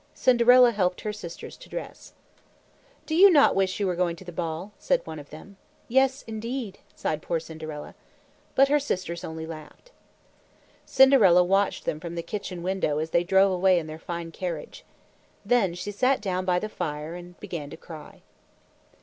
Cinderella helped her sisters to dress. "Do you not wish that you were going to the ball?" said one of them. "Yes, indeed!" sighed poor Cinderella. But her sisters only laughed. Cinderella watched them from the kitchen window as they drove away in their fine carriage. Then she sat down by the fire and began to cry.